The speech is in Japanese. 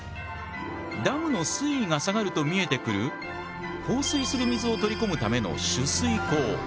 ダムの水位が下がると見えてくる放水する水を取り込むための取水口。